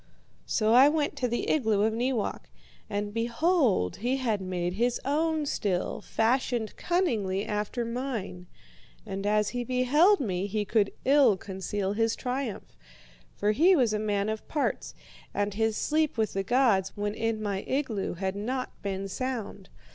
"So I went to the igloo of Neewak. And behold, he had made his own still, fashioned cunningly after mine. And as he beheld me he could ill conceal his triumph. For he was a man of parts, and his sleep with the gods when in my igloo had not been sound.